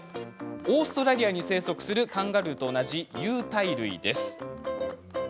オーストラリアに生息するカンガルーと同じ有袋類です。